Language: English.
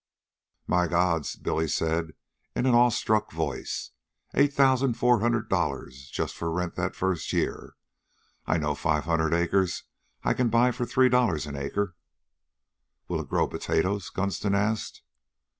"My God!" Billy said in an awe struck voice. "Eight thousan', four hundred dollars just for rent the first year. I know five hundred acres I can buy for three dollars an acre." "Will it grow potatoes?" Gunston asked.